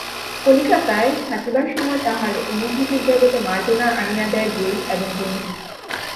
কলিকাতায় থাকিবার সময় তাহার অনুভূতির জগতে মার্জনা আনিয়া দেয় বই এবং বন্ধু।